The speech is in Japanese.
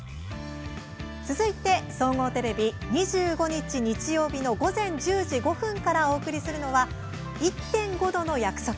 続いて、総合テレビ２５日、日曜日の午前１０時５分からお送りするのは「１．５℃の約束−